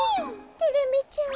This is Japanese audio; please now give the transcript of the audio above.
テレミちゃん。